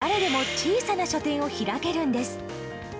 つまり、誰でも小さな書店を開けるんです。